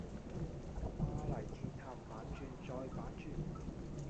巴黎鐵塔反轉再反轉